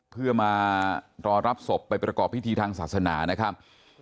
เพื่อมารอรับศพไปประกอบพิธีทางศาสนานะครับ